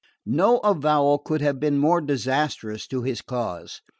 No avowal could have been more disastrous to his cause.